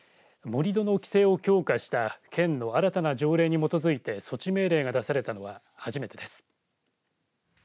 盛り土の規制を強化した県の新たな条例に基づいて措置命令が出されたのは初めてです。